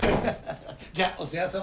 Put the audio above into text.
じゃあお世話様。